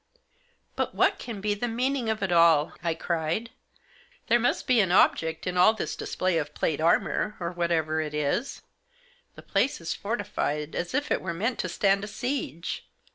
" But what can be the meaning of it all ?" I cried. " There must be an object in all this display of plate armour, or whatever it is. The place is fortified as if it were meant to stand a siege.